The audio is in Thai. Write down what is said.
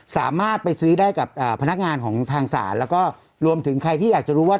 สามารถไปซื้อได้กับพนักงานของทางศาลแล้วก็รวมถึงใครที่อยากจะรู้ว่า